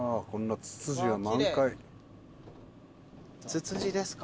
ツツジですか？